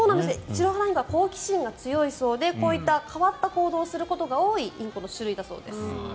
シロハラインコは好奇心が強いそうでこういった変わった行動をすることが多いインコの種類だそうです。